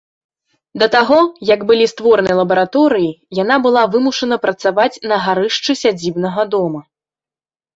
Да таго, як былі створаны лабараторыі, яна была вымушана працаваць на гарышчы сядзібнага дома.